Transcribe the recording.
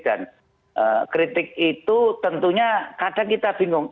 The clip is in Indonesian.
dan kritik itu tentunya kadang kita bingung